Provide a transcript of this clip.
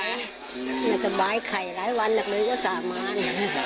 มีใจร้ายใหญ่ไม่สบายใครหลายวันหลักหลือก็สามารถ